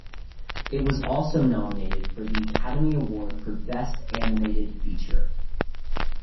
It was also nominated for the Academy Award for Best Animated Feature.